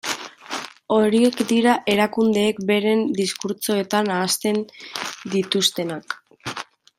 Horiek dira erakundeek beren diskurtsoetan ahazten dituztenak.